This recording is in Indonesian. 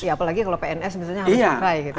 apalagi kalau pns misalnya harus berkait gitu ya